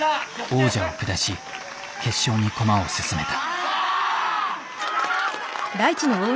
王者を下し決勝に駒を進めた。